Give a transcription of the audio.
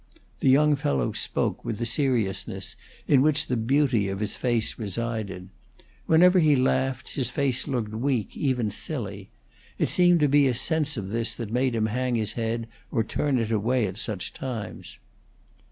The young fellow spoke with the seriousness in which the beauty of his face resided. Whenever he laughed his face looked weak, even silly. It seemed to be a sense of this that made him hang his head or turn it away at such times.